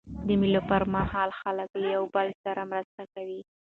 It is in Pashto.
د مېلو پر مهال خلک له یو بل سره مرسته کوي.